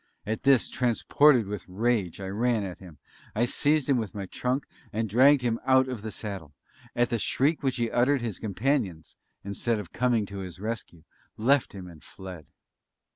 At this, transported with rage, I ran at him; I seized him with my trunk, and dragged him out of the saddle. At the shriek which he uttered his companions, instead of coming to his rescue, left him and fled.